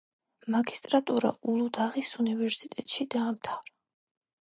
მაგისტრატურა ულუდაღის უნივერსიტეტში დაამთავრა.